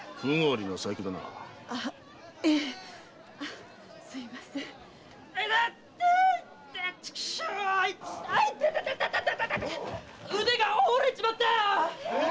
腕が折れちまったよ！